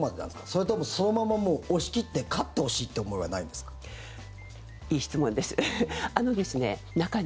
それともそのままもう押し切って勝ってほしいという思いはないんですか？